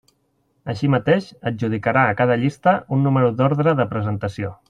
Així mateix, adjudicarà a cada llista un número d'ordre de presentació.